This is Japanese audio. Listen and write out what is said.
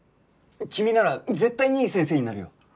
君なら絶対にいい先生になるよ。